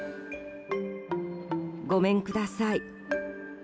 ごめんください。